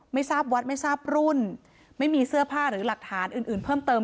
ไม่ทราบวัดไม่ทราบรุ่นไม่มีเสื้อผ้าหรือหลักฐานอื่นอื่นเพิ่มเติม